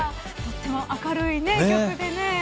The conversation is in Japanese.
とっても明るい曲でね。